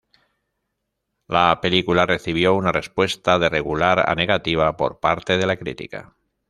La película recibió una respuesta de regular a negativa por parte de la crítica.